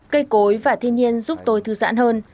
cây cối và thiên nhiên giúp tôi thư giãn hơn